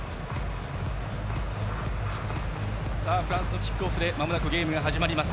フランスのキックオフでゲームが始まります。